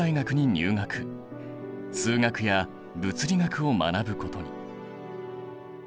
数学や物理学を学ぶことに。